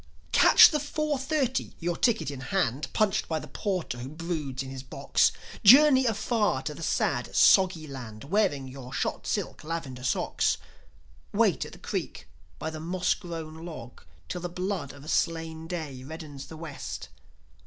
Catch the four thirty; your ticket in hand, Punched by the porter who broods in his box; Journey afar to the sad, soggy land, Wearing your shot silk lavender socks. Wait at the creek by the moss grown log Till the blood of a slain day reddens the West.